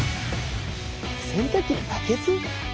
洗濯機にバケツ？